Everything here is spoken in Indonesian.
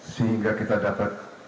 sehingga kita dapat